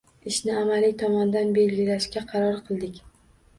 Ishni amaliy tomondan belgilashga qaror qildik.